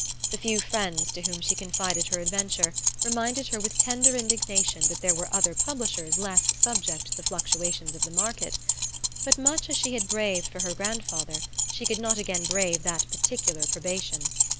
The few friends to whom she confided her adventure reminded her with tender indignation that there were other publishers less subject to the fluctuations of the market; but much as she had braved for her grandfather she could not again brave that particular probation.